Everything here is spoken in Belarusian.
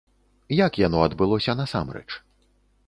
Як яно адбылося насамрэч?